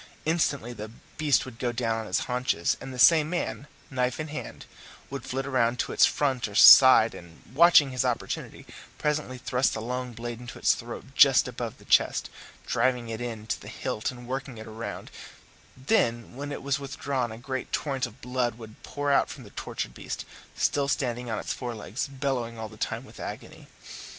Instantly the beast would go down on his haunches, and the same man, knife in hand, would flit round to its front or side, and, watching his opportunity, presently thrust the long blade into its throat just above the chest, driving it in to the hilt and working it round; then when it was withdrawn a great torrent of blood would pour out from the tortured beast, still standing on his fore legs, bellowing all the time with agony.